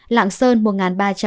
lạng sơn một ba trăm sáu mươi một